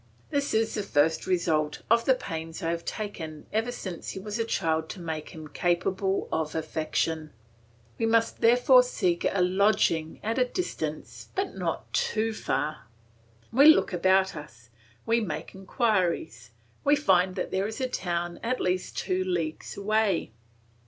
This is the first result of the pains I have taken ever since he was a child to make him capable of affection. We must therefore seek a lodging at a distance, but not too far. We look about us, we make inquiries; we find that there is a town at least two leagues away.